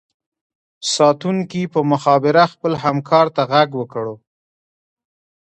ساتونکي په مخابره خپل همکار ته غږ وکړو